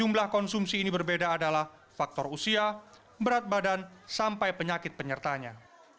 jumlah konsumsi ini berbeda adalah faktor usia berat badan sampai penyakit penyertanya